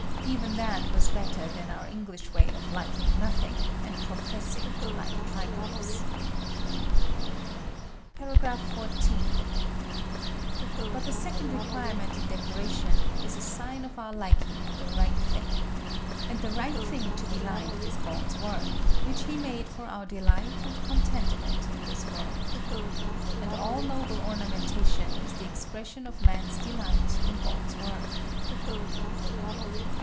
Even that was better than our English way of liking nothing, and professing to like triglyphs. § XIV. But the second requirement in decoration, is a sign of our liking the right thing. And the right thing to be liked is God's work, which He made for our delight and contentment in this world. And all noble ornamentation is the expression of man's delight in God's work.